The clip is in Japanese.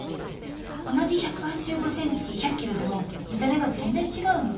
同じ１８５センチ１００キロでも見た目が全然違うの。